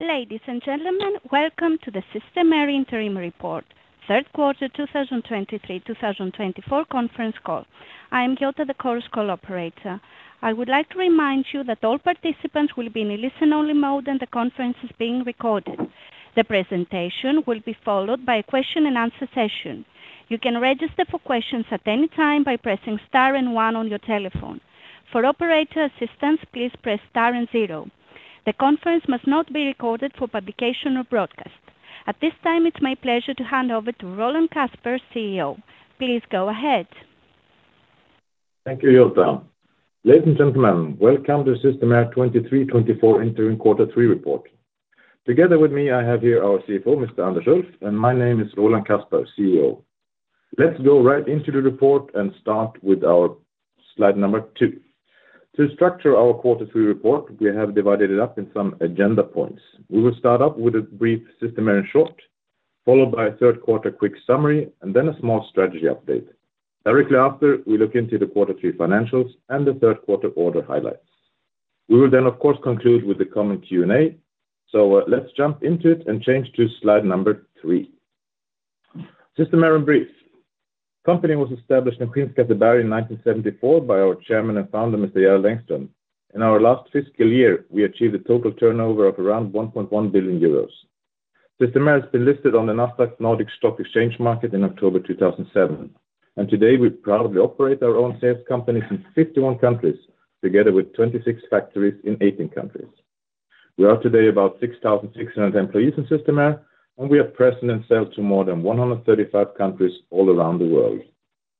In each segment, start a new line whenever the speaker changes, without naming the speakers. Ladies and gentlemen, welcome to the Systemair Interim Report, third quarter 2023-2024 conference call. I am Jolta, the call operator. I would like to remind you that all participants will be in a listen-only mode and the conference is being recorded. The presentation will be followed by a question-and-answer session. You can register for questions at any time by pressing star and 1 on your telephone. For operator assistance, please press star and 0. The conference must not be recorded for publication or broadcast. At this time, it's my pleasure to hand over to Roland Kasper, CEO. Please go ahead.
Thank you, Jolta. Ladies and gentlemen, welcome to Systemair 2023-2024 interim quarter three report. Together with me, I have here our CFO, Mr. Anders Ulff, and my name is Roland Kasper, CEO. Let's go right into the report and start with our slide number 2. To structure our quarter three report, we have divided it up in some agenda points. We will start up with a brief Systemair in short, followed by a third quarter quick summary, and then a small strategy update. Directly after, we look into the quarter three financials and the third quarter order highlights. We will then, of course, conclude with the common Q&A. So, let's jump into it and change to slide number 3. Systemair in brief: Company was established in Queen's Cafeteria in 1974 by our chairman and founder, Mr. Gerald Engström. In our last fiscal year, we achieved a total turnover of around 1.1 billion euros. Systemair has been listed on the Nasdaq OMX Nordic in October 2007, and today we proudly operate our own sales company in 51 countries together with 26 factories in 18 countries. We are today about 6,600 employees in Systemair, and we have present and sales to more than 135 countries all around the world.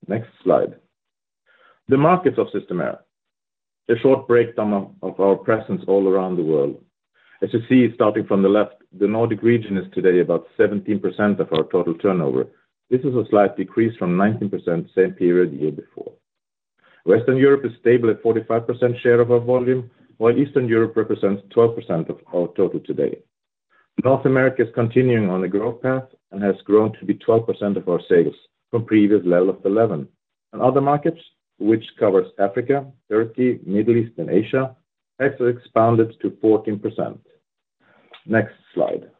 Next slide. The markets of Systemair: a short breakdown of our presence all around the world. As you see starting from the left, the Nordic region is today about 17% of our total turnover. This is a slight decrease from 19% same period year before. Western Europe is stable at 45% share of our volume, while Eastern Europe represents 12% of our total today. North America is continuing on a growth path and has grown to be 12% of our sales from previous level of 11. Other markets, which covers Africa, Turkey, Middle East, and Asia, have expanded to 14%. Next slide.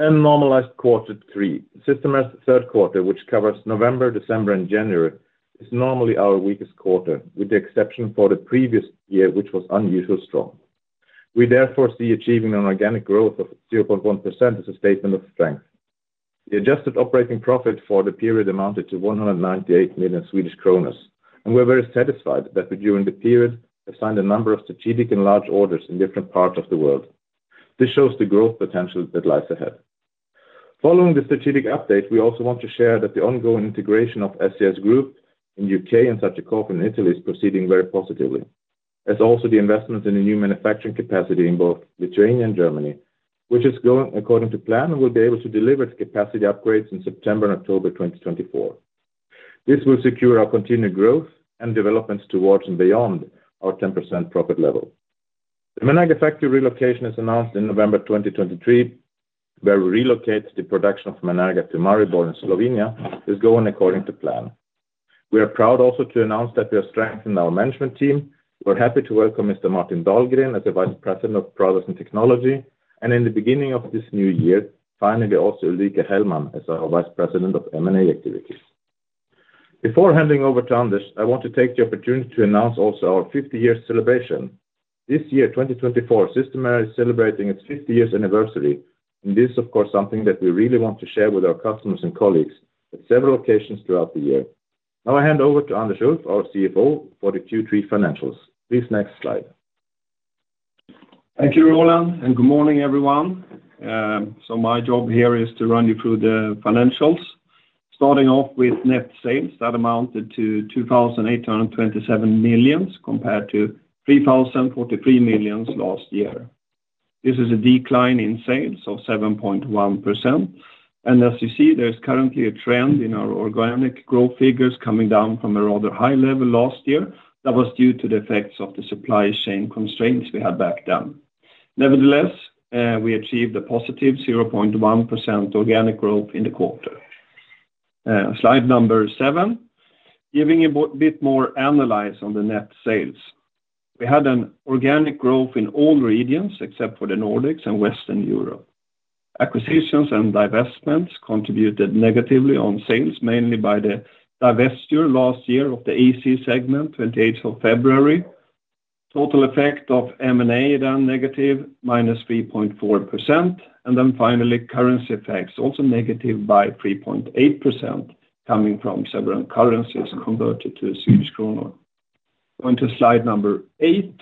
Normalized quarter three: Systemair's third quarter, which covers November, December, and January, is normally our weakest quarter with the exception for the previous year, which was unusually strong. We therefore see achieving an organic growth of 0.1% as a statement of strength. The adjusted operating profit for the period amounted to 198 million Swedish kronor, and we're very satisfied that we during the period have signed a number of strategic and large orders in different parts of the world. This shows the growth potential that lies ahead. Following the strategic update, we also want to share that the ongoing integration of SCS Group in the U.K. and Sagicofim in Italy is proceeding very positively, as also the investments in a new manufacturing capacity in both Lithuania and Germany, which is going according to plan and will be able to deliver capacity upgrades in September and October 2024. This will secure our continued growth and developments towards and beyond our 10% profit level. The Menerga factory relocation is announced in November 2023, where we relocate the production of Menerga to Maribor in Slovenia. This is going according to plan. We are proud also to announce that we are strengthening our management team. We're happy to welcome Mr. Martin Dahlgren as the Vice President of Products and Technology, and in the beginning of this new year, finally also Ulrika Hellman as our Vice President of M&A activities. Before handing over to Anders, I want to take the opportunity to announce also our 50-year celebration. This year, 2024, Systemair is celebrating its 50-year anniversary, and this is, of course, something that we really want to share with our customers and colleagues at several occasions throughout the year. Now I hand over to Anders Ulff, our CFO for the Q3 financials. Please next slide.
Thank you, Roland, and good morning, everyone. So my job here is to run you through the financials. Starting off with net sales, that amounted to 2,827 million compared to 3,043 million last year. This is a decline in sales of 7.1%, and as you see, there's currently a trend in our organic growth figures coming down from a rather high level last year that was due to the effects of the supply chain constraints we had back then. Nevertheless, we achieved a positive 0.1% organic growth in the quarter. Slide 7 giving a bit more analysis on the net sales. We had an organic growth in all regions except for the Nordics and Western Europe. Acquisitions and divestments contributed negatively on sales, mainly by the divestiture last year of the AC segment, 28th of February. Total effect of M&A then negative, -3.4%, and then finally currency effects, also negative by 3.8% coming from several currencies converted to Swedish kronor. Going to slide 8,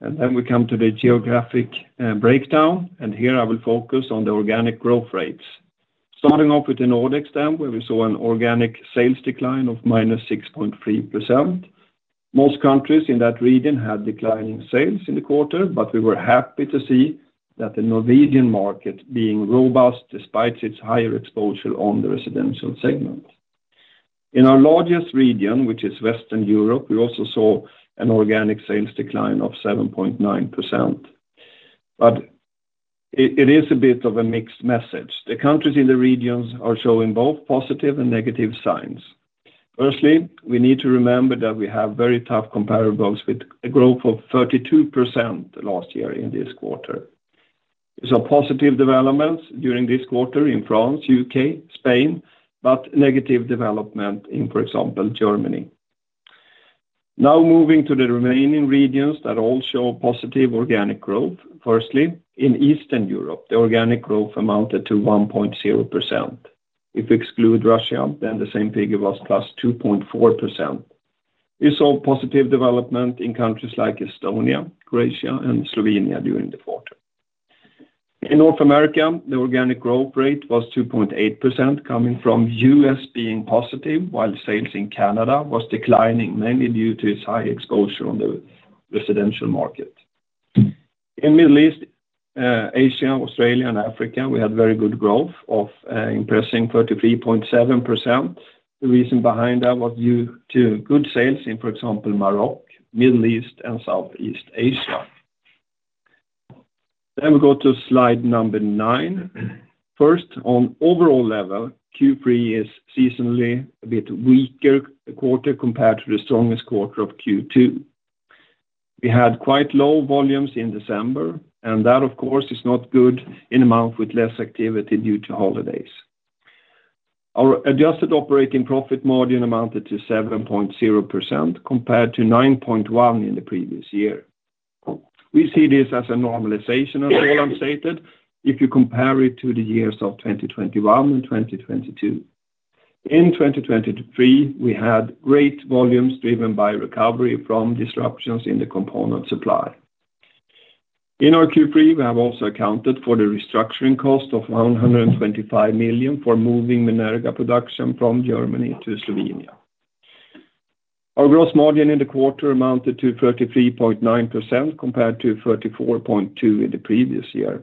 and then we come to the geographic breakdown, and here I will focus on the organic growth rates. Starting off with the Nordics then, where we saw an organic sales decline of -6.3%. Most countries in that region had declining sales in the quarter, but we were happy to see that the Norwegian market being robust despite its higher exposure on the residential segment. In our largest region, which is Western Europe, we also saw an organic sales decline of 7.9%. But it, it is a bit of a mixed message. The countries in the regions are showing both positive and negative signs. Firstly, we need to remember that we have very tough comparables with a growth of 32% last year in this quarter. We saw positive developments during this quarter in France, U.K., Spain, but negative development in, for example, Germany. Now moving to the remaining regions that all show positive organic growth. Firstly, in Eastern Europe, the organic growth amounted to 1.0%. If we exclude Russia, then the same figure was +2.4%. We saw positive development in countries like Estonia, Croatia, and Slovenia during the quarter. In North America, the organic growth rate was 2.8% coming from U.S. being positive, while sales in Canada was declining mainly due to its high exposure on the residential market. In Middle East, Asia, Australia, and Africa, we had very good growth of impressive 33.7%. The reason behind that was due to good sales in, for example, Morocco, Middle East, and Southeast Asia. Then we go to slide number 9. First, on overall level, Q3 is seasonally a bit weaker quarter compared to the strongest quarter of Q2. We had quite low volumes in December, and that, of course, is not good in a month with less activity due to holidays. Our adjusted operating profit margin amounted to 7.0% compared to 9.1% in the previous year. We see this as a normalization, as Roland stated, if you compare it to the years of 2021 and 2022. In 2023, we had great volumes driven by recovery from disruptions in the component supply. In our Q3, we have also accounted for the restructuring cost of 125 million for moving Menerga production from Germany to Slovenia. Our gross margin in the quarter amounted to 33.9% compared to 34.2% in the previous year.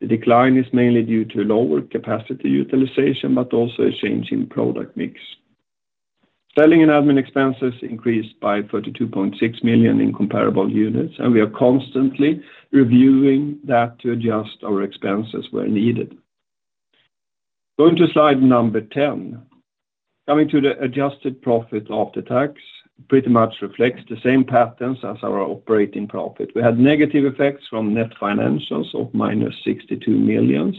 The decline is mainly due to lower capacity utilization but also a change in product mix. Selling and admin expenses increased by 32.6 million in comparable units, and we are constantly reviewing that to adjust our expenses where needed. Going to slide number 10. Coming to the adjusted profit after tax, pretty much reflects the same patterns as our operating profit. We had negative effects from net financials of -62 million,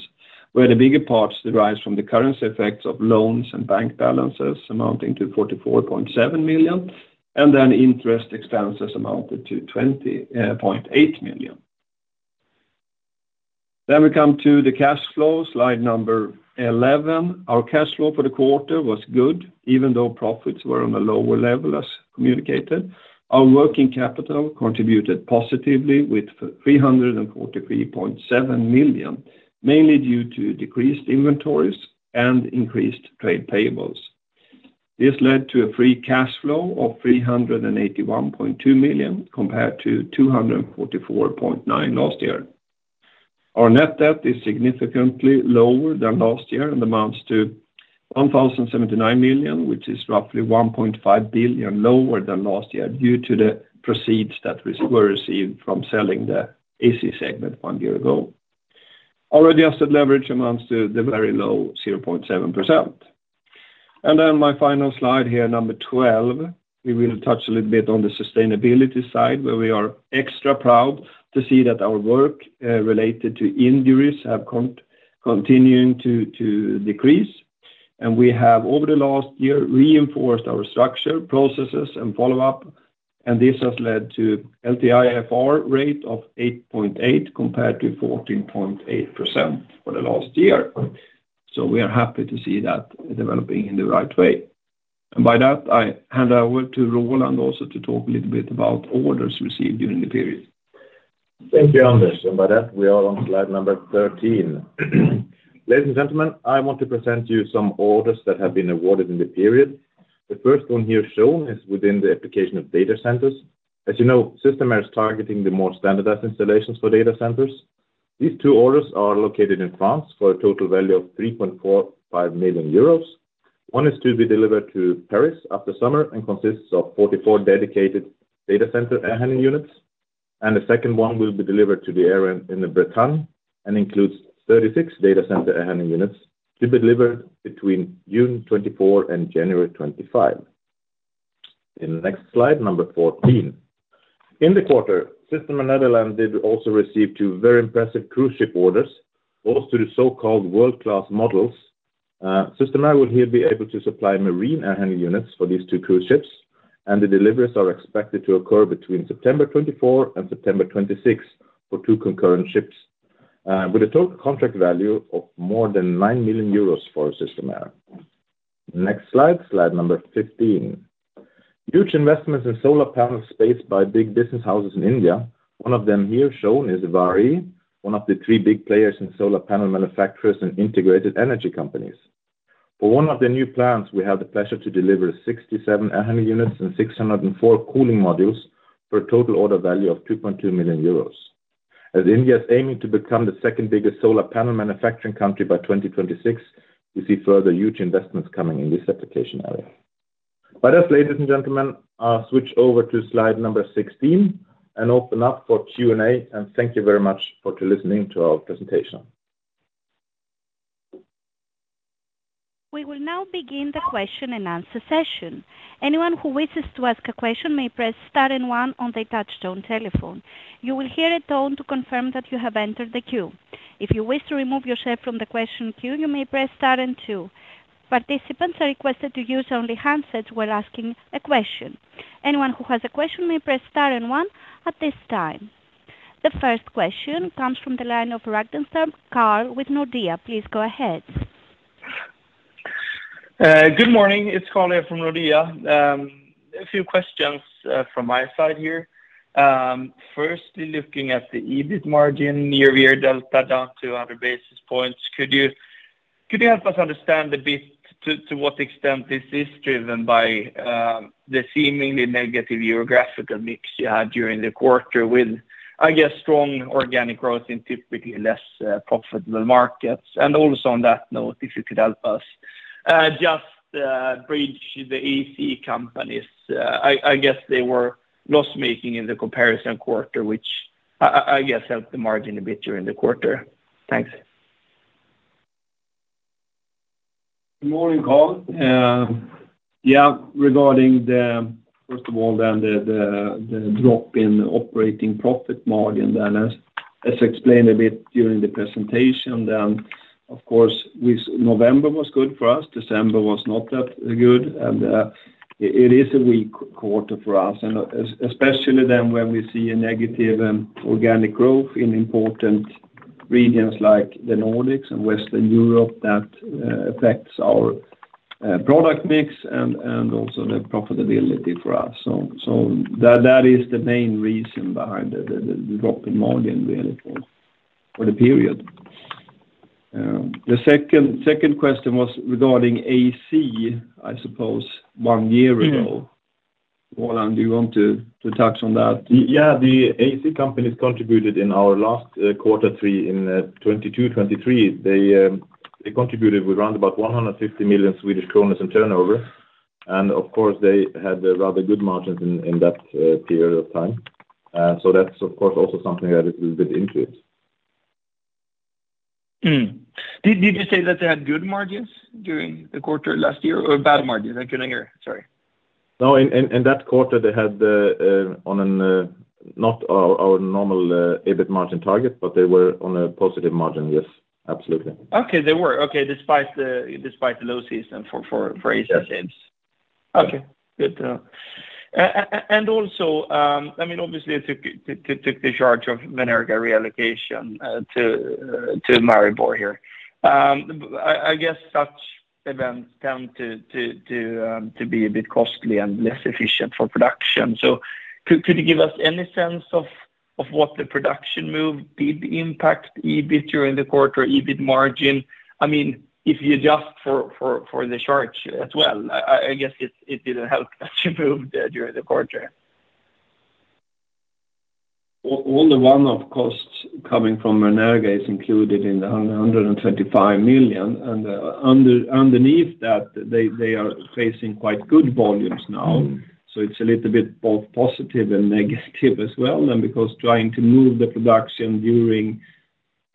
where the bigger parts derived from the currency effects of loans and bank balances amounting to 44.7 million, and then interest expenses amounted to 20.8 million. Then we come to the cash flow, slide number 11. Our cash flow for the quarter was good even though profits were on a lower level as communicated. Our working capital contributed positively with 343.7 million, mainly due to decreased inventories and increased trade payables. This led to a free cash flow of 381.2 million compared to 244.9 million last year. Our net debt is significantly lower than last year and amounts to 1,079 million, which is roughly 1.5 billion lower than last year due to the receipts that were received from selling the AC segment one year ago. Our adjusted leverage amounts to the very low 0.7%. Then my final slide here, number 12, we will touch a little bit on the sustainability side where we are extra proud to see that our work related to injuries continuing to decrease. We have, over the last year, reinforced our structure, processes, and follow-up, and this has led to LTIFR rate of 8.8% compared to 14.8% for the last year. We are happy to see that developing in the right way. By that, I hand over to Roland also to talk a little bit about orders received during the period.
Thank you, Anders. By that, we are on slide number 13. Ladies and gentlemen, I want to present you some orders that have been awarded in the period. The first one here shown is within the application of data centers. As you know, Systemair is targeting the more standardized installations for data centers. These two orders are located in France for a total value of 3.45 million euros. One is to be delivered to Paris after summer and consists of 44 dedicated data center air handling units. And the second one will be delivered to the area in the Bretagne and includes 36 data center air handling units to be delivered between June 2024 and January 2025. In the next slide, number 14. In the quarter, Systemair Netherlands did also receive two very impressive cruise ship orders, both to the so-called world-class models. Systemair will here be able to supply marine air handling units for these two cruise ships, and the deliveries are expected to occur between September 24 and September 26 for two concurrent ships, with a total contract value of more than 9 million euros for Systemair. Next slide, slide number 15. Huge investments in solar panel space by big business houses in India. One of them here shown is Waaree, one of the three big players in solar panel manufacturers and integrated energy companies. For one of their new plants, we have the pleasure to deliver 67 air handling units and 604 cooling modules for a total order value of 2.2 million euros. As India is aiming to become the second biggest solar panel manufacturing country by 2026, we see further huge investments coming in this application area. By this, ladies and gentlemen, I'll switch over to slide number 16 and open up for Q&A. Thank you very much for listening to our presentation.
We will now begin the question and answer session. Anyone who wishes to ask a question may press star one on their touch-tone telephone. You will hear a tone to confirm that you have entered the queue. If you wish to remove yourself from the question queue, you may press star two. Participants are requested to use only handsets while asking a question. Anyone who has a question may press star one at this time. The first question comes from the line of Carl Ragnerstam with Nordea. Please go ahead.
Good morning. It's Carl here from Nordea. A few questions, from my side here. Firstly, looking at the EBIT margin year-over-year delta down to 100 basis points, could you could you help us understand a bit to, to what extent this is driven by, the seemingly negative geographical mix you had during the quarter with, I guess, strong organic growth in typically less, profitable markets? And also on that note, if you could help us, just, bridge the AC companies. I, I, I guess they were loss-making in the comparison quarter, which, I, I, I guess helped the margin a bit during the quarter. Thanks.
Good morning, Carl. Yeah, regarding the first of all then, the drop in operating profit margin then, as explained a bit during the presentation, then, of course, we saw November was good for us. December was not that good. And it is a weak quarter for us, and especially then when we see a negative organic growth in important regions like the Nordics and Western Europe that affects our product mix and also the profitability for us. So that is the main reason behind the drop in margin really for the period. The second question was regarding AC, I suppose, one year ago. Roland, do you want to touch on that?
Yeah. The AC companies contributed in our last quarter three in 2022, 2023. They contributed with around about 150 million Swedish kronor in turnover. And, of course, they had rather good margins in that period of time. So that's, of course, also something that is a little bit intuitive.
Did you say that they had good margins during the quarter last year or bad margins? I couldn't hear. Sorry.
No, in that quarter, they had on a not our normal EBIT margin target, but they were on a positive margin. Yes, absolutely. Okay. They were. Okay. Despite the low season for AC sales.
Okay. Good to know. And also, I mean, obviously, it took the charge of Menerga reallocation to Maribor here. I guess such events tend to be a bit costly and less efficient for production. So could you give us any sense of what the production move did impact EBIT during the quarter, EBIT margin? I mean, if you just for the charge as well. I guess it didn't help that you moved during the quarter.
All the one-off costs coming from Menerga are included in the 125 million. And underneath that, they are facing quite good volumes now. So it's a little bit both positive and negative as well. And because trying to move the production during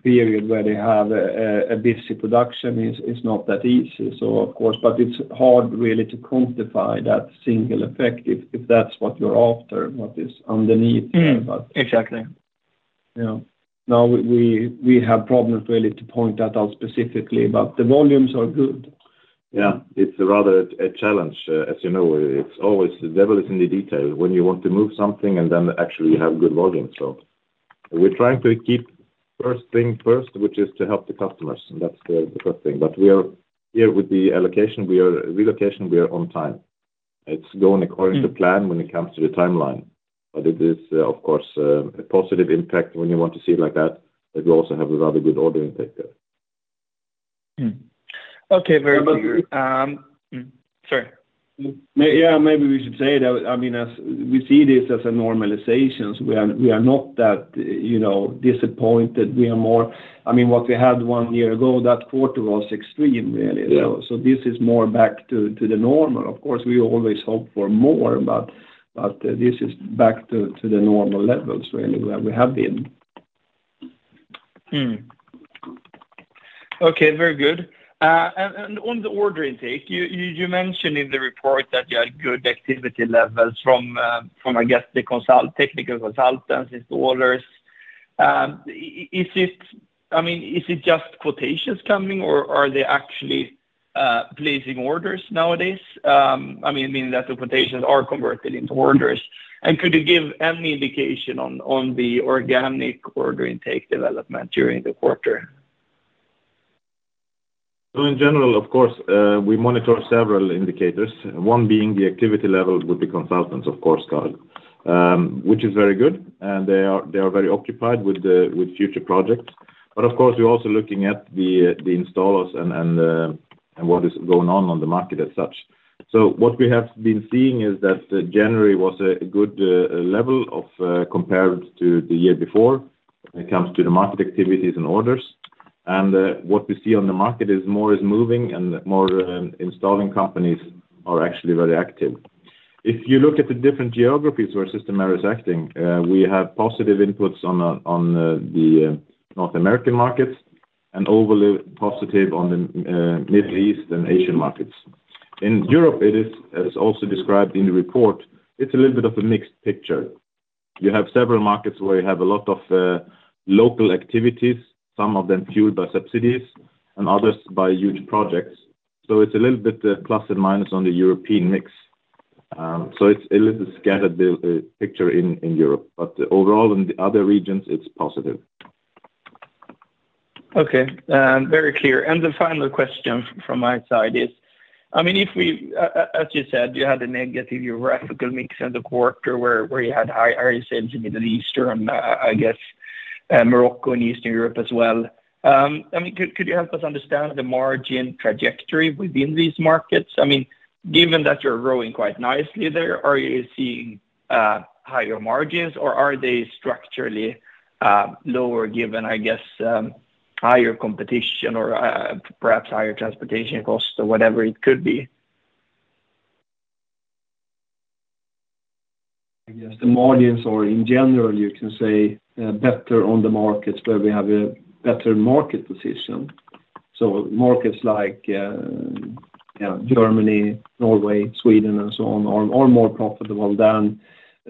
a period where they have a busy production is not that easy, so, of course. But it's hard really to quantify that single effect if that's what you're after, what is underneath there. But.
Exactly.
Yeah. No, we have problems really to point that out specifically, but the volumes are good.
Yeah. It's rather a challenge. As you know, it's always the devil is in the detail when you want to move something and then actually have good volumes. So we're trying to keep first things first, which is to help the customers. And that's the first thing. But we are here with the relocation. We are relocating. We are on time. It's going according to plan when it comes to the timeline. But it is, of course, a positive impact when you want to see it like that, that you also have a rather good order intake there.
Okay. Very good. Sorry.
Maybe yeah. Maybe we should say that, I mean, as we see this as a normalization, so we are not that, you know, disappointed. We are more, I mean, what we had one year ago, that quarter was extreme really. So this is more back to the normal. Of course, we always hope for more, but this is back to the normal levels really where we have been.
Okay. Very good. And on the order intake, you mentioned in the report that you had good activity levels from, I guess, the consult technical consultants, installers. Is it, I mean, is it just quotations coming, or are they actually placing orders nowadays? I mean, meaning that the quotations are converted into orders. And could you give any indication on the organic order intake development during the quarter?
Well, in general, of course, we monitor several indicators. One being the activity level with the consultants, of course, Carl, which is very good. They are very occupied with the future projects. But, of course, we're also looking at the installers and what is going on in the market as such. So what we have been seeing is that January was a good level of compared to the year before when it comes to the market activities and orders. What we see on the market is more moving, and more installing companies are actually very active. If you look at the different geographies where Systemair is acting, we have positive inputs on the North American markets and overly positive on the Middle East and Asian markets. In Europe, it is, as also described in the report, it's a little bit of a mixed picture. You have several markets where you have a lot of local activities, some of them fueled by subsidies, and others by huge projects. So it's a little bit plus and minus on the European mix. So it's a little bit scattered picture in Europe. But overall, in the other regions, it's positive.
Okay. Very clear. And the final question from my side is, I mean, if we as you said, you had a negative geographical mix in the quarter where you had high areas in the Middle East and, I guess, Morocco and Eastern Europe as well. I mean, could you help us understand the margin trajectory within these markets? I mean, given that you're growing quite nicely there, are you seeing higher margins, or are they structurally lower given, I guess, higher competition or perhaps higher transportation cost or whatever it could be?
I guess the margins are in general, you can say, better on the markets where we have a better market position. So markets like, yeah, Germany, Norway, Sweden, and so on are more profitable than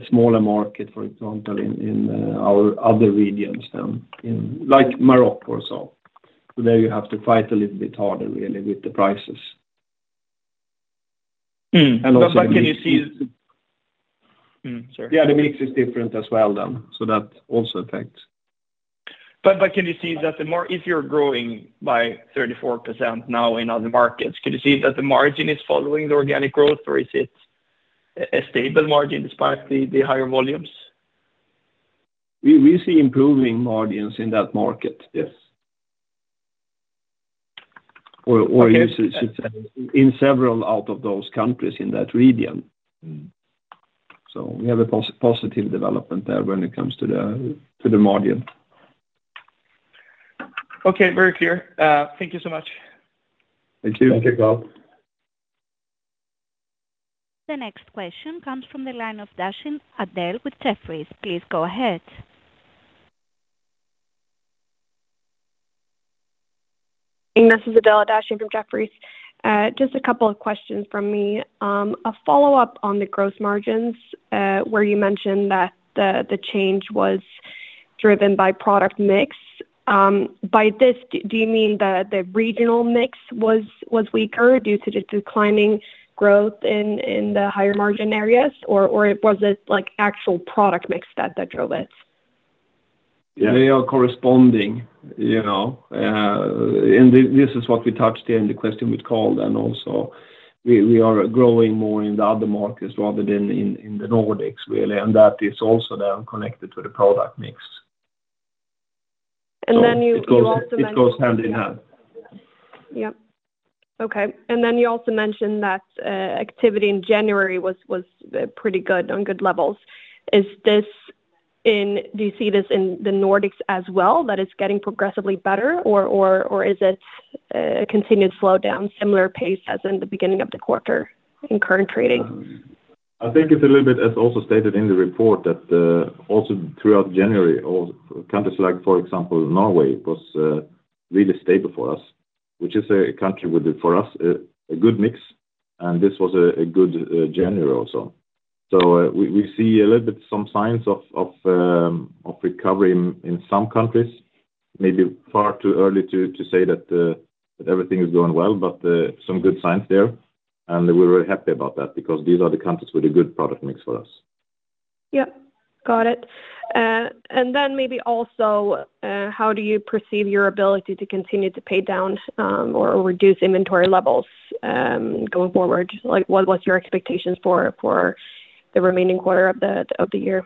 a smaller market, for example, in our other regions then in like Morocco or so. So there you have to fight a little bit harder really with the prices. And also the mix.
But, can you see? Sorry.
Yeah. The mix is different as well then. So that also affects.
But can you see that the margin if you're growing by 34% now in other markets, can you see that the margin is following the organic growth, or is it a stable margin despite the higher volumes?
We see improving margins in that market. Yes. Or you should say in several out of those countries in that region. So we have a positive development there when it comes to the margin.
Okay. Very clear. Thank you so much.
Thank you.
Thank you, Carl.
The next question comes from the line of Adela Dashian with Jefferies. Please go ahead.
This is Adela Dashian from Jefferies. Just a couple of questions from me. A follow-up on the gross margins, where you mentioned that the change was driven by product mix. By this, do you mean that the regional mix was weaker due to the declining growth in the higher margin areas, or was it, like, actual product mix that drove it?
Yeah. They are corresponding, you know. And this is what we touched here in the question with Carl then also. We are growing more in the other markets rather than in the Nordics really. And that is also then connected to the product mix.
And then you, you also mentioned.
It goes hand in hand.
Yep. Okay. And then you also mentioned that activity in January was pretty good on good levels. Is this in do you see this in the Nordics as well that it's getting progressively better, or is it a continued slowdown, similar pace as in the beginning of the quarter in current trading?
I think it's a little bit, as also stated in the report, that also throughout January, all countries like, for example, Norway was really stable for us, which is a country with, for us, a good mix. And this was a good January also. So, we see a little bit some signs of recovery in some countries. Maybe far too early to say that everything is going well, but some good signs there. And we're very happy about that because these are the countries with a good product mix for us.
Yep. Got it. And then maybe also, how do you perceive your ability to continue to pay down, or, or reduce inventory levels, going forward? Like, what was your expectations for, for the remaining quarter of the of the year?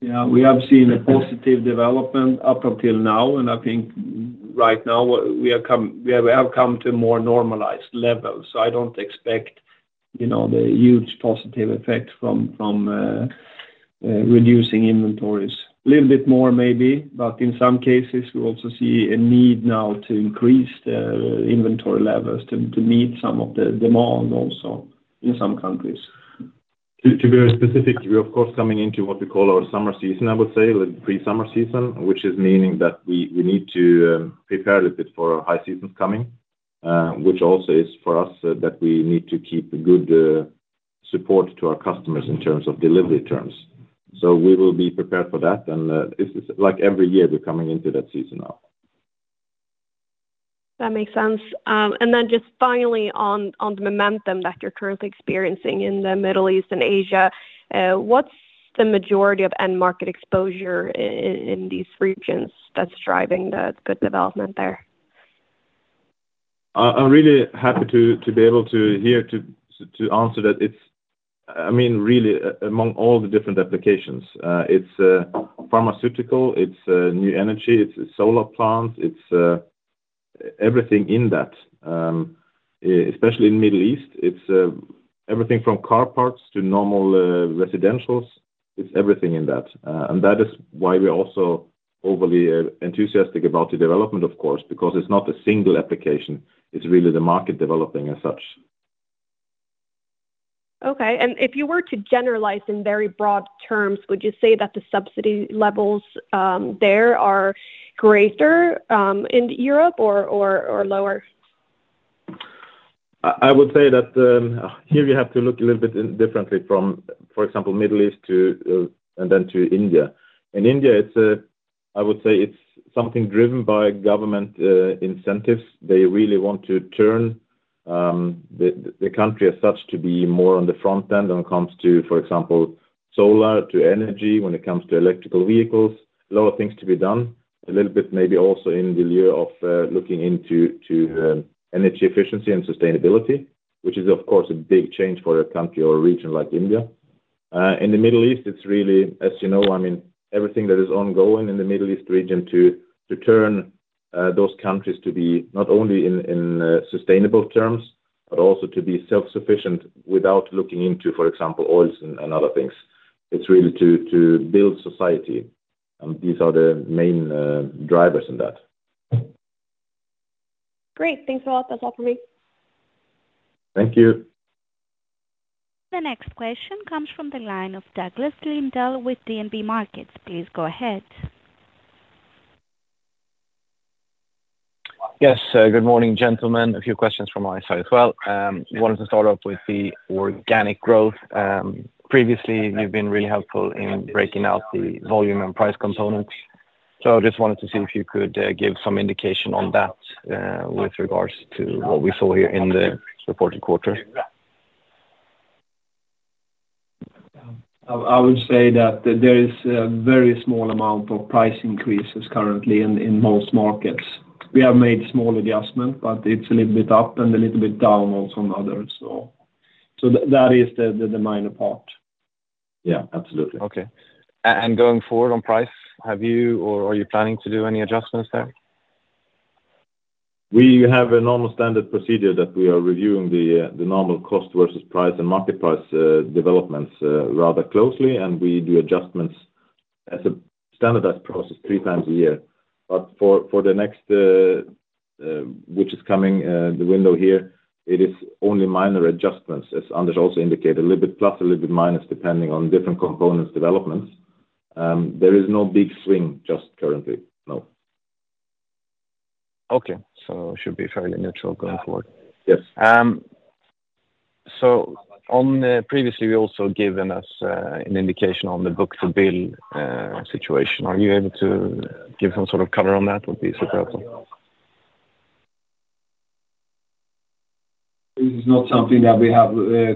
Yeah. We have seen a positive development up until now. I think right now, we have come to a more normalized level. So I don't expect, you know, the huge positive effect from reducing inventories. A little bit more maybe, but in some cases, we also see a need now to increase the inventory levels to meet some of the demand also in some countries.
To be very specific, we're, of course, coming into what we call our summer season, I would say, like pre-summer season, which is meaning that we need to prepare a little bit for high seasons coming, which also is for us, that we need to keep good support to our customers in terms of delivery terms. So we will be prepared for that. It's like every year, we're coming into that season now.
That makes sense. And then just finally on the momentum that you're currently experiencing in the Middle East and Asia, what's the majority of end-market exposure in these regions that's driving that good development there?
I'm really happy to be here to answer that. It's, I mean, really, among all the different applications, it's pharmaceutical. It's new energy. It's solar plants. It's everything in that. Especially in the Middle East, it's everything from car parts to normal residential. It's everything in that. And that is why we're also overly enthusiastic about the development, of course, because it's not a single application. It's really the market developing as such.
Okay. And if you were to generalize in very broad terms, would you say that the subsidy levels, there are greater, in Europe or lower?
I would say that here you have to look a little bit differently from, for example, Middle East to, and then to India. In India, it's, I would say, something driven by government incentives. They really want to turn the country as such to be more on the front end when it comes to, for example, solar to energy when it comes to electrical vehicles. A lot of things to be done. A little bit maybe also in lieu of looking into energy efficiency and sustainability, which is, of course, a big change for a country or region like India. In the Middle East, it's really, as you know, I mean, everything that is ongoing in the Middle East region to turn those countries to be not only in sustainable terms but also to be self-sufficient without looking into, for example, oils and other things. It's really to build society. These are the main drivers in that.
Great. Thanks a lot. That's all from me.
Thank you.
The next question comes from the line of Douglas Lindahl with DNB Markets. Please go ahead.
Yes. Good morning, gentlemen. A few questions from my side as well. Wanted to start off with the organic growth. Previously, you've been really helpful in breaking out the volume and price components. So I just wanted to see if you could give some indication on that with regards to what we saw here in the reported quarter.
I would say that there is a very small amount of price increases currently in most markets. We have made small adjustments, but it's a little bit up and a little bit down also in others, so. So that is the minor part.
Yeah. Absolutely.
Okay. And going forward on price, have you or are you planning to do any adjustments there?
We have a normal standard procedure that we are reviewing the normal cost versus price and market price developments rather closely. We do adjustments as a standardized process three times a year. For the next, which is coming, the window here, it is only minor adjustments as Anders also indicated, a little bit plus, a little bit minus depending on different components developments. There is no big swing just currently, no.
Okay. So it should be fairly neutral going forward.
Yes.
Previously, you also given us an indication on the Book-to-Bill situation. Are you able to give some sort of color on that? Would be super helpful.
This is not something that we have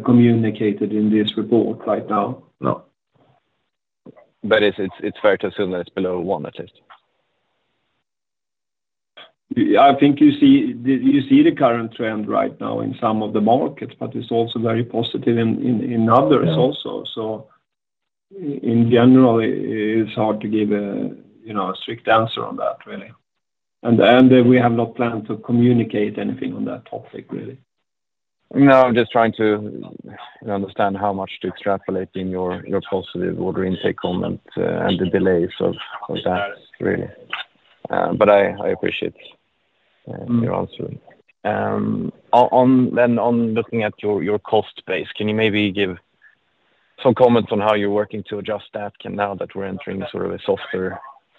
communicated in this report right now. No.
But it's fair to assume that it's below 1 at least.
I think you see the current trend right now in some of the markets, but it's also very positive in others also. So in general, it's hard to give a, you know, a strict answer on that really. And we have not planned to communicate anything on that topic really.
No. Just trying to, you know, understand how much to extrapolate in your positive order intake comment, and the delays of that really. But I appreciate your answer. On then on looking at your cost base, can you maybe give some comments on how you're working to adjust that can now that we're entering sort of a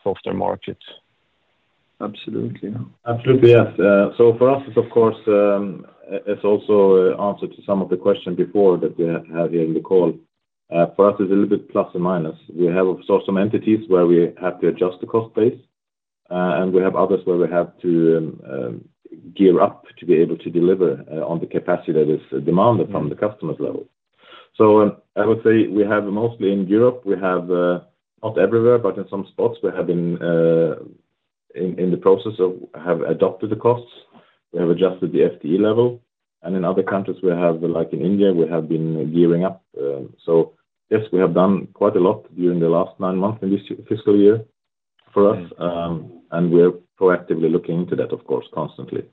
softer market?
Absolutely. Absolutely, yes. So for us, it's, of course, as also an answer to some of the question before that we have here in the call. For us, it's a little bit plus and minus. We have, of course, some entities where we have to adjust the cost base. And we have others where we have to gear up to be able to deliver on the capacity that is demanded from the customers level. So, I would say we have mostly in Europe, we have, not everywhere, but in some spots, we have been in the process of have adopted the costs. We have adjusted the FTE level. And in other countries, we have, like in India, we have been gearing up. So yes, we have done quite a lot during the last nine months in this fiscal year for us. And we're proactively looking into that, of course, constantly.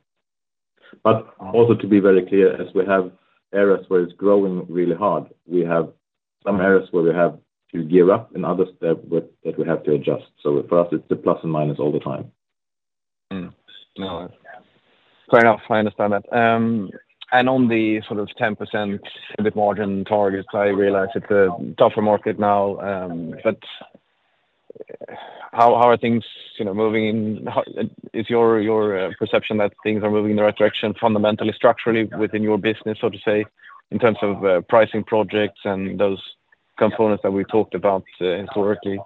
But also to be very clear, as we have areas where it's growing really hard, we have some areas where we have to gear up and others that we have to adjust. So for us, it's a plus and minus all the time.
No. Fair enough. I understand that. And on the sort of 10% a bit margin targets, I realize it's a tougher market now. But how are things, you know, moving in? How is your perception that things are moving in the right direction fundamentally, structurally within your business, so to say, in terms of pricing projects and those components that we've talked about, historically?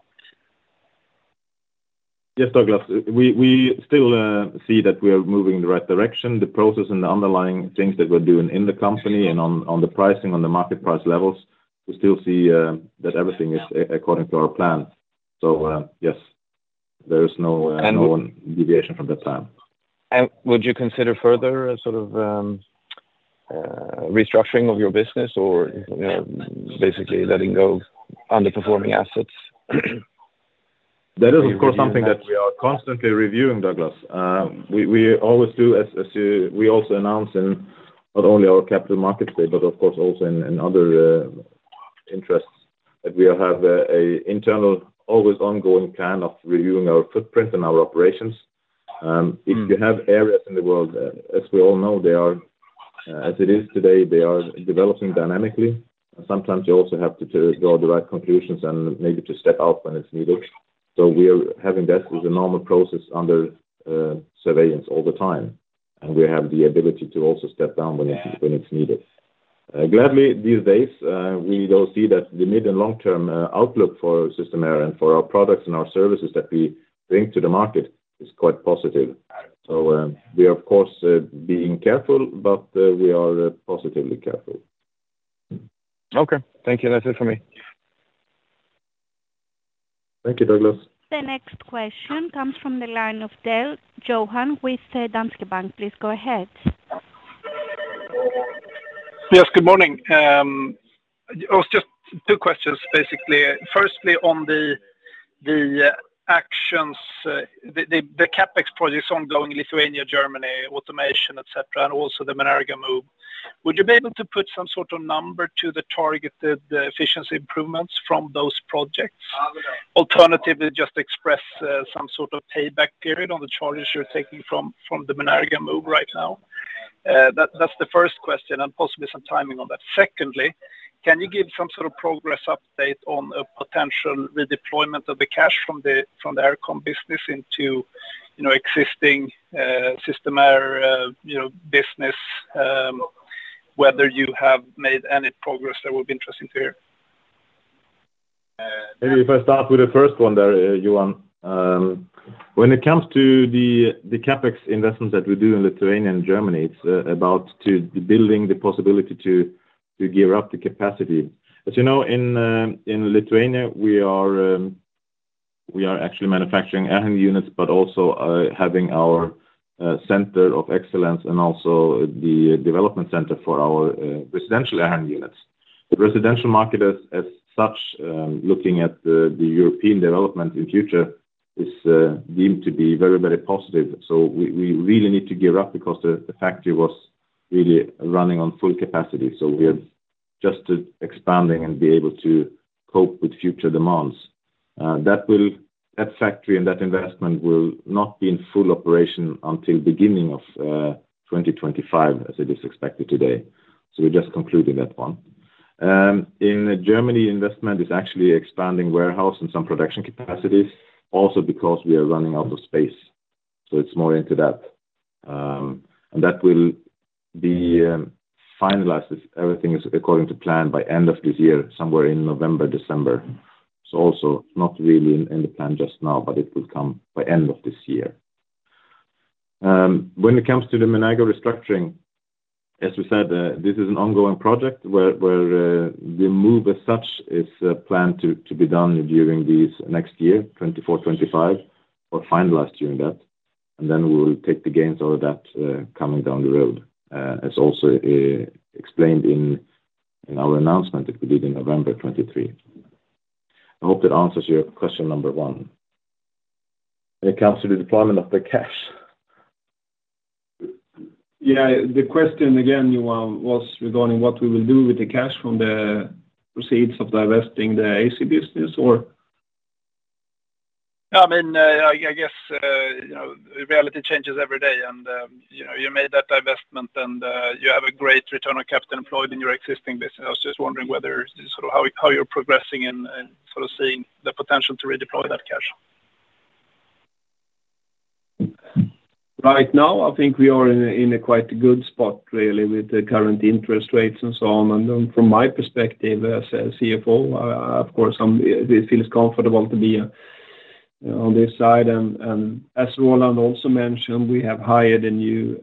Yes, Douglas. We still see that we are moving in the right direction. The process and the underlying things that we're doing in the company and on the pricing, on the market price levels, we still see that everything is according to our plan. So, yes. There is no deviation from that plan.
Would you consider further sort of restructuring of your business or, you know, basically letting go underperforming assets?
That is, of course, something that we are constantly reviewing, Douglas. We always do, as you know, we also announce in not only our Capital Markets Day, but of course also in other interests that we have, an internal always ongoing plan of reviewing our footprint and our operations. If you have areas in the world, as we all know, they are, as it is today, developing dynamically. And sometimes you also have to draw the right conclusions and maybe to step out when it's needed. So we are having this as a normal process under surveillance all the time. And we have the ability to also step down when it's needed. Gladly, these days, we do see that the mid- and long-term outlook for Systemair and for our products and our services that we bring to the market is quite positive. So, we are, of course, being careful, but we are positively careful.
Okay. Thank you. That's it from me.
Thank you, Douglas.
The next question comes from the line of Johan Dahl with Danske Bank. Please go ahead.
Yes. Good morning. It was just two questions basically. Firstly, on the actions, the CapEx projects ongoing in Lithuania, Germany, automation, etc., and also the Menerga move. Would you be able to put some sort of number to the targeted efficiency improvements from those projects? Alternatively, just express some sort of payback period on the charges you're taking from the Menerga move right now. That's the first question and possibly some timing on that. Secondly, can you give some sort of progress update on a potential redeployment of the cash from the Air Con business into, you know, existing Systemair, you know, business, whether you have made any progress that would be interesting to hear?
Maybe if I start with the first one there, Johan. When it comes to the CapEx investments that we do in Lithuania and Germany, it's about building the possibility to gear up the capacity. As you know, in Lithuania, we are actually manufacturing air handling units but also having our center of excellence and also the development center for our residential air handling units. The residential market as such, looking at the European development in future, is deemed to be very, very positive. So we really need to gear up because the factory was really running on full capacity. So we are just expanding and be able to cope with future demands. That factory and that investment will not be in full operation until beginning of 2025 as it is expected today. So we're just concluding that one. In Germany, investment is actually expanding warehouse and some production capacities also because we are running out of space. So it's more into that. And that will be finalized if everything is according to plan by end of this year, somewhere in November, December. So also not really in the plan just now, but it will come by end of this year. When it comes to the Menerga restructuring, as we said, this is an ongoing project where the move as such is planned to be done during these next year, 2024, 2025, or finalized during that. And then we'll take the gains out of that, coming down the road, as also explained in our announcement that we did in November 2023. I hope that answers your question number one. When it comes to the deployment of the cash.
Yeah. The question again, Johan, was regarding what we will do with the cash from the proceeds of divesting the AC business or?
Yeah. I mean, I guess, you know, reality changes every day. And, you know, you made that divestment, and, you have a great return on capital employed in your existing business. I was just wondering whether sort of how you're progressing in, in sort of seeing the potential to redeploy that cash.
Right now, I think we are in a quite good spot really with the current interest rates and so on. And then from my perspective as a CFO, I, of course, it feels comfortable to be on this side. And as Roland also mentioned, we have hired a new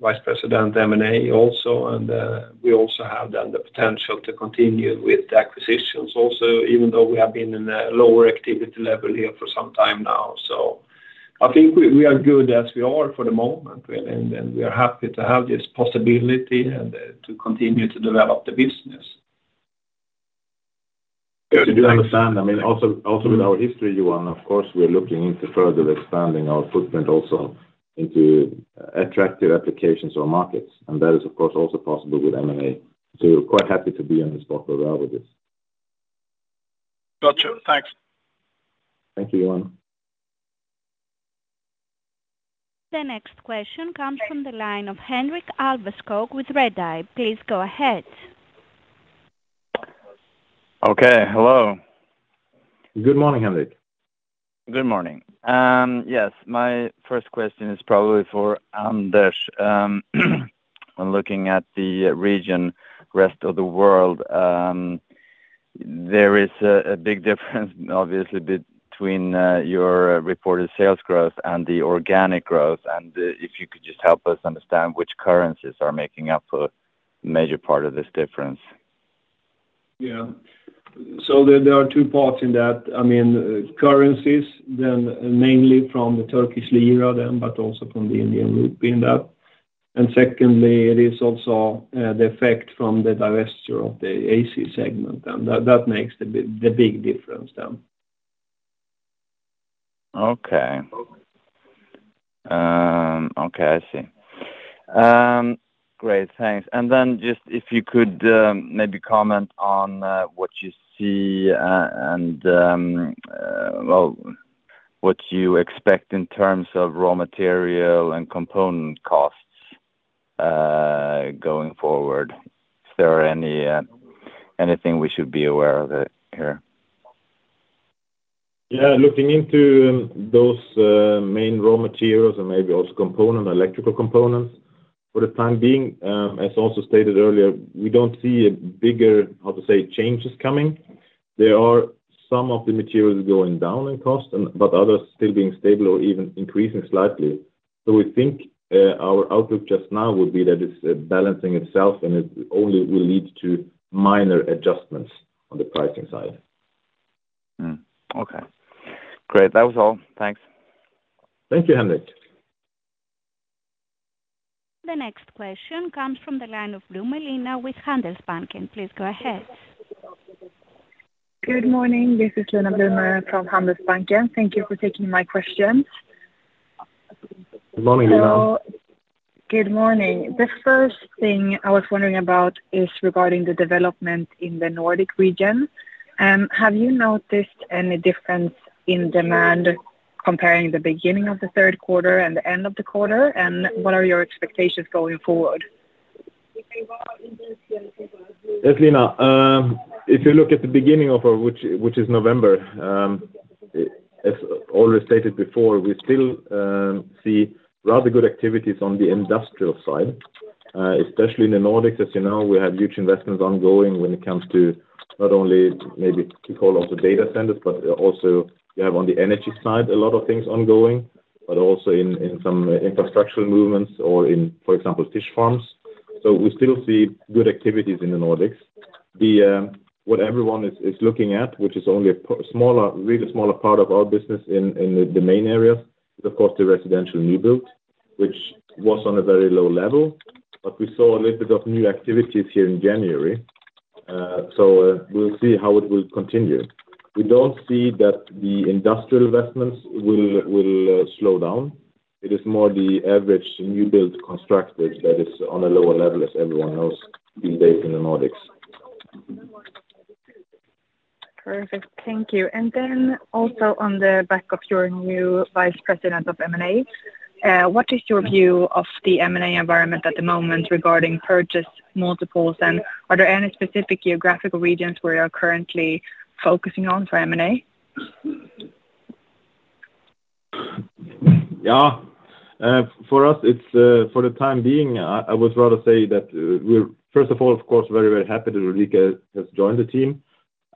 Vice President, M&A, also. And we also have then the potential to continue with the acquisitions also even though we have been in a lower activity level here for some time now. So I think we are good as we are for the moment really. And we are happy to have this possibility and to continue to develop the business.
Yes. I do understand. I mean, also, also with our history, Johan, of course, we are looking into further expanding our footprint also into attractive applications or markets. And that is, of course, also possible with M&A. So we're quite happy to be in the spot where we are with this.
Gotcha. Thanks.
Thank you, Johan.
The next question comes from the line of Henrik Alveskog with Redeye. Please go ahead.
Okay. Hello.
Good morning, Henrik.
Good morning. Yes. My first question is probably for Anders. When looking at the region, rest of the world, there is a big difference obviously between your reported sales growth and the organic growth. If you could just help us understand which currencies are making up a major part of this difference.
Yeah. So there are two parts in that. I mean, currencies then mainly from the Turkish lira then but also from the Indian rupee in that. And secondly, it is also the effect from the divestiture of the AC segment then. That makes the big difference then.
Okay. I see. Great. Thanks. And then, just if you could maybe comment on what you see, and well, what you expect in terms of raw material and component costs going forward. Is there anything we should be aware of here?
Yeah. Looking into those main raw materials and maybe also components, electrical components for the time being, as also stated earlier, we don't see a bigger, how to say, changes coming. There are some of the materials going down in cost and but others still being stable or even increasing slightly. So we think our outlook just now would be that it's balancing itself, and it only will lead to minor adjustments on the pricing side.
Okay. Great. That was all. Thanks.
Thank you, Henrik.
The next question comes from the line of Lina Blume with Handelsbanken. Please go ahead.
Good morning. This is Lina Blume from Handelsbanken. Thank you for taking my question.
Good morning, Lina.
Good morning. The first thing I was wondering about is regarding the development in the Nordic region. Have you noticed any difference in demand comparing the beginning of the third quarter and the end of the quarter? What are your expectations going forward?
Yes, Lina. If you look at the beginning of which, which is November, it's already stated before, we still see rather good activities on the industrial side, especially in the Nordics. As you know, we have huge investments ongoing when it comes to not only maybe to call also data centers but also we have on the energy side a lot of things ongoing but also in some infrastructural movements or in, for example, fish farms. So we still see good activities in the Nordics. What everyone is looking at, which is only a smaller, really smaller part of our business in the main areas, is of course the residential new build which was on a very low level. But we saw a little bit of new activities here in January. So, we'll see how it will continue. We don't see that the industrial investments will slow down. It is more the average new build constructed that is on a lower level as everyone knows these days in the Nordics.
Perfect. Thank you. And then also on the back of your new Vice President of M&A, what is your view of the M&A environment at the moment regarding purchase multiples? And are there any specific geographical regions where you're currently focusing on for M&A?
Yeah. For us, it's, for the time being, I would rather say that we're first of all, of course, very, very happy that Ulrika has joined the team.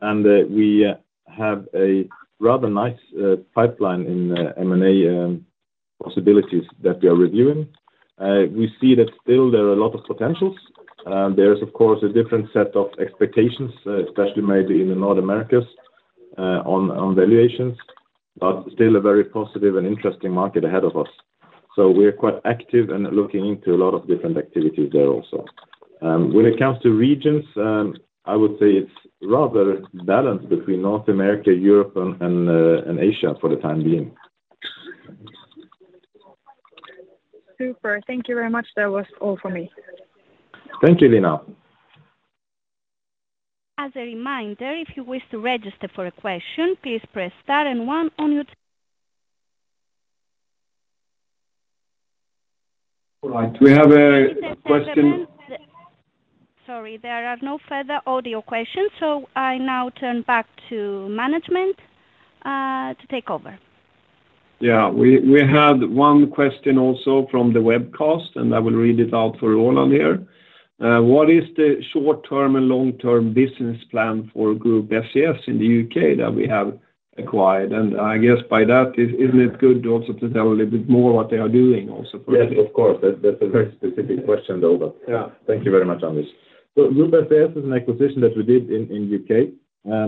We have a rather nice pipeline in M&A possibilities that we are reviewing. We see that still there are a lot of potentials. There is, of course, a different set of expectations, especially maybe in North America, on valuations but still a very positive and interesting market ahead of us. So we are quite active and looking into a lot of different activities there also. When it comes to regions, I would say it's rather balanced between North America, Europe, and Asia for the time being.
Super. Thank you very much. That was all from me.
Thank you, Lina.
As a reminder, if you wish to register for a question, please press star and one on your.
All right. We have a question.
Sorry. There are no further audio questions. I now turn back to management, to take over.
Yeah. We had one question also from the webcast, and I will read it out for Roland here. What is the short-term and long-term business plan for Group SCS in the U.K. that we have acquired? And I guess by that, isn't it good also to tell a little bit more what they are doing also for?
Yes. Of course. That's, that's a very specific question though, but. Yeah. Thank you very much, Anders. So Group SCS is an acquisition that we did in the U.K..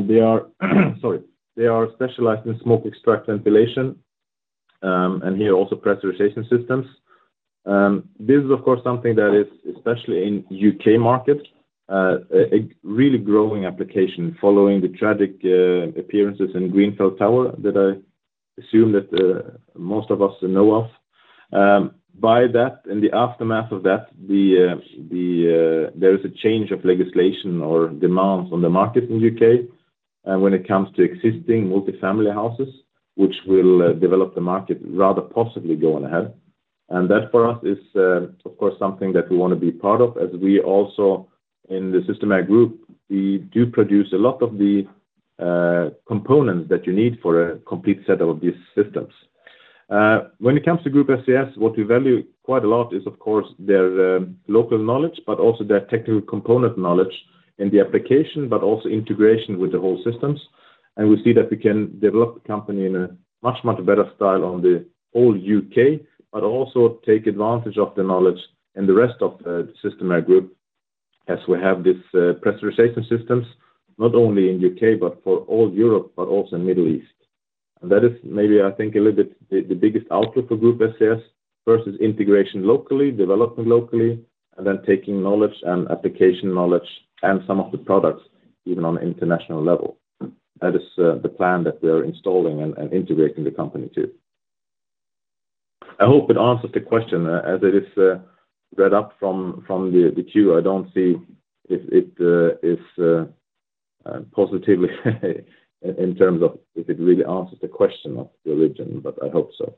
They are, sorry. They are specialized in smoke extract ventilation, and here also pressurization systems. This is, of course, something that is especially in U.K. market, a really growing application following the tragic appearances in Grenfell Tower that I assume that most of us know of. By that in the aftermath of that, the there is a change of legislation or demands on the market in UK. And when it comes to existing multifamily houses which will develop the market rather possibly going ahead. And that for us is, of course, something that we wanna be part of as we also in the Systemair Group, we do produce a lot of the components that you need for a complete set of these systems. When it comes to Group SCS, what we value quite a lot is, of course, their local knowledge but also their technical component knowledge in the application but also integration with the whole systems. And we see that we can develop the company in a much, much better style on the whole U.K. but also take advantage of the knowledge in the rest of Systemair Group as we have this pressurization systems not only in U.K. but for all Europe but also in Middle East. That is maybe, I think, a little bit the biggest outlook for Group SCS with this integration locally, development locally, and then taking knowledge and application knowledge and some of the products even on an international level. That is the plan that we are installing and integrating the company too. I hope it answers the question, as it is read up from the queue. I don't know if it is positively in terms of if it really answers the question of the region, but I hope so.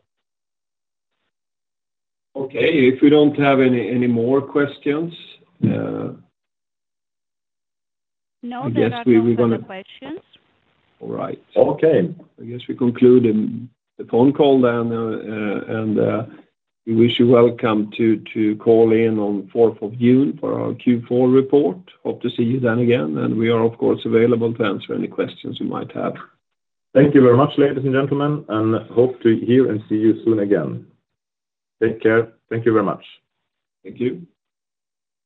Okay. If we don't have any more questions.
No. There are no further questions.
All right.
Okay.
I guess we conclude the phone call then, and we wish you welcome to call in on 4th of June for our Q4 report. Hope to see you then again. We are, of course, available to answer any questions you might have.
Thank you very much, ladies and gentlemen. Hope to hear and see you soon again. Take care. Thank you very much.
Thank you.